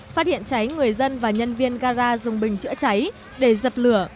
phát hiện cháy người dân và nhân viên gara dùng bình chữa cháy để dập lửa